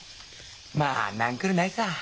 まあなんくるないさぁ。